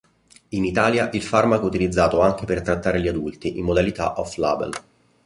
In Italia il farmaco è utilizzato anche per trattare gli adulti in modalità off-label.